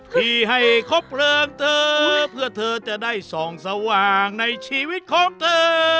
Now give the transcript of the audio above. ที่ให้ครบเริงเธอเพื่อเธอจะได้ส่องสว่างในชีวิตของเธอ